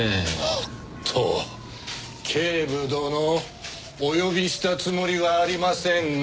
おっと警部殿お呼びしたつもりはありませんが？